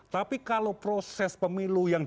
tapi kalau proses pemilu yang